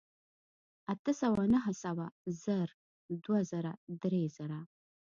اتۀ سوه نهه سوه زر دوه زره درې زره